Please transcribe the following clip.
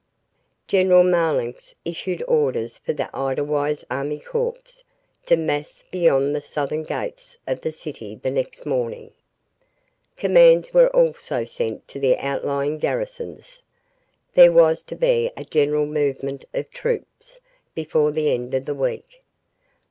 General Marlanx issued orders for the Edelweiss army corps to mass beyond the southern gates of the city the next morning. Commands were also sent to the outlying garrisons. There was to be a general movement of troops before the end of the week.